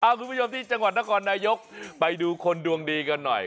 คุณผู้ชมที่จังหวัดนครนายกไปดูคนดวงดีกันหน่อย